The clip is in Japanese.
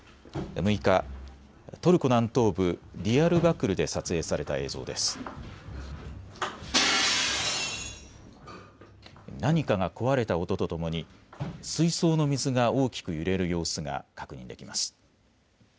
６日、トルコ南東部ディヤルバクルで撮影された映像です。何かが壊れた音とともに水槽の水が大きく揺れる様子が確認できます。